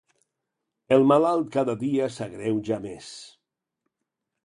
El malalt cada dia s'agreuja més.